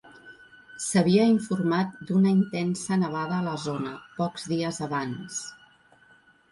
S'havia informat d'una intensa nevada a la zona, pocs dies abans.